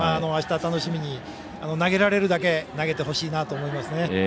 あした楽しみに投げられるだけ投げてほしいなと思いますね。